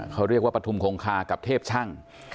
เขาเรียกว่าปฐุมคงคากับเทพช่าง